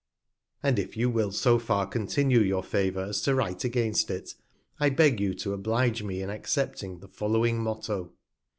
And if you will so far continue your Favour as to write against it, I beg you to oblige me in accepting the following Motto.